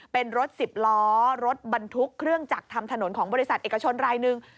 เป็นรถสิบล้อรถบรรทุกเครื่องจักรทำถนนของบริษัทเอกชนรายหนึ่ง